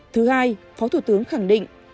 thứ hai phó thủ tướng khẳng định